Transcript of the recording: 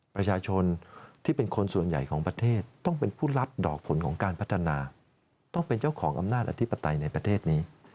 ประชาชนที่เป็นคนส่วนใหญ่ของประเทศต้องเป็นผู้รับดอกผลของการพัฒนาต้องเป็นเจ้าของอำนาจอธิปไตยในประเทศนี้